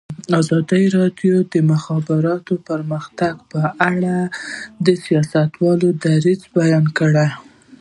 ازادي راډیو د د مخابراتو پرمختګ په اړه د سیاستوالو دریځ بیان کړی.